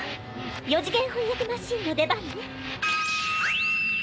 ４次元翻訳マシーンの出番ね。